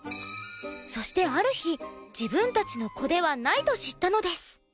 そしてある日自分たちの子ではないと知ったのです。